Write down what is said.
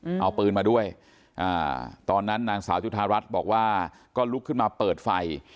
เอาปืนมาด้วยอ่าตอนนั้นนางสาวจุธารัฐบอกว่าก็ลุกขึ้นมาเปิดไฟ